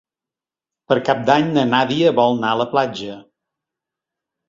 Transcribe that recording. Per Cap d'Any na Nàdia vol anar a la platja.